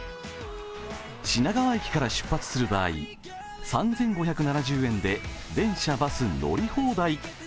品川駅から出発する場合、３５７０円で電車、バス乗り放題。